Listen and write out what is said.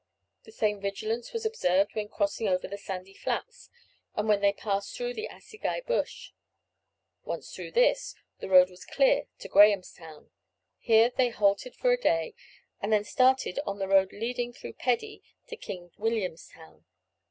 The same vigilance was observed when crossing over the sandy flats, and when they passed through Assegai Bush. Once through this, the road was clear to Grahamstown. Here they halted for a day, and then started on the road leading through Peddie to King Williamstown.